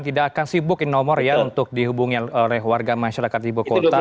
tidak akan sibukin nomor ya untuk dihubungi oleh warga masyarakat di buku kota